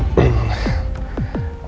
aku mau ke rumah